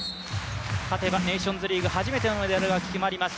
勝てばネーションズリーグ初めてのメダルが決まります。